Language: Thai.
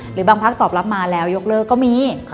หรือบางพักตอบรับมาแล้วยกเลิกก็มี